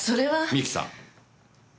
美紀さん。